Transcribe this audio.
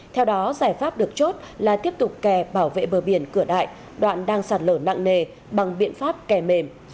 theo đó giải pháp được chốt là tiếp tục kè bảo vệ bờ biển cửa đại đoạn đang sạt lở nặng nề bằng biện pháp kè mềm